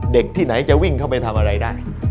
ที่ไหนจะวิ่งเข้าไปทำอะไรได้